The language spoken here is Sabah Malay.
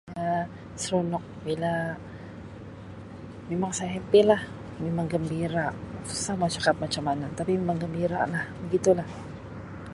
Um Seronok bila memang saya happy lah memang gembira susah mau cakap macam mana tapi memang gembira lah begitu lah.